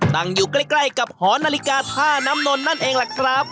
ตั้งอยู่ใกล้กับหอนาฬิกาท่าน้ำนนท์นั่นเองล่ะครับ